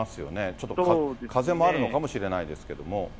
ちょっと風もあるのかもしれないですけど。